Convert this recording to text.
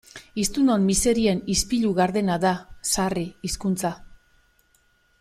Hiztunon miserien ispilu gardena da sarri hizkuntza.